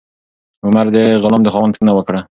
عمر د غلام د خاوند پوښتنه وکړه.